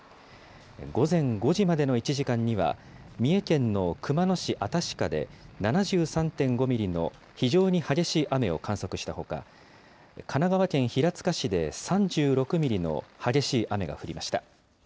午前５時までの１時間には、三重県の熊野市新鹿で７３．５ミリの非常に激しい雨を観測したほか、神奈川県平塚市で３６ミリの激しい雨が降りました。